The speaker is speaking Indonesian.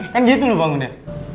kan gitu lo bangunnya